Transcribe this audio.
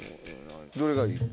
どれがいい？